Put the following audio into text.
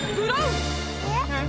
えっ？